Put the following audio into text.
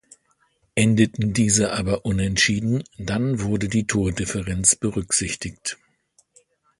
Endeten diese aber unentschieden, dann wurde die Tordifferenz berücksichtigt.